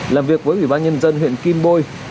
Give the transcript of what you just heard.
làm việc với ubnd huyện kim bôi